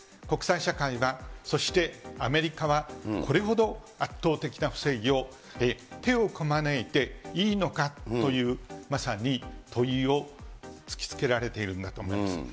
国際社会は、そしてアメリカはこれほど圧倒的な不正義を、手をこまねいていいのかという、まさに問いを突きつけられているんだと思います。